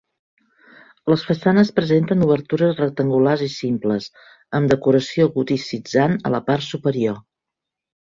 Les façanes presenten obertures rectangulars i simples, amb decoració goticitzant a la part superior.